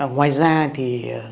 ngoài ra thì